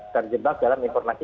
terjebak dalam informasi